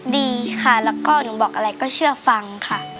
ดีค่ะแล้วก็หนูบอกอะไรก็เชื่อฟังค่ะ